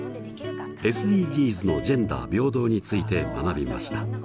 ＳＤＧｓのジェンダー平等について学びました。